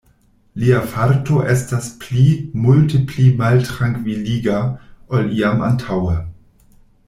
Lia farto estas pli, multe pli maltrankviliga, ol iam antaŭe.